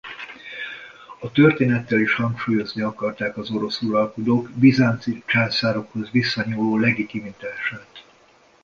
A történettel is hangsúlyozni akarták az orosz uralkodók bizánci császárokhoz visszanyúló legitimitását.